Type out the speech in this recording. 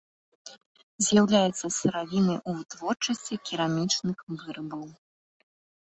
З'яўляецца сыравінай у вытворчасці керамічных вырабаў.